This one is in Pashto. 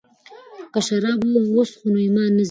که شراب ونه څښو نو ایمان نه ځي.